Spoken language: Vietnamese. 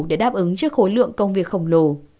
để đáp ứng trước khối lượng công việc khổng lồ